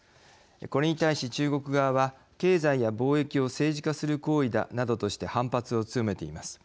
これに対し中国側は経済や貿易を政治化する行為だなどとして反発を強めています。